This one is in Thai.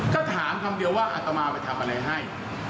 ก็ถามคำเดียวว่าอัตมาไปทำอะไรให้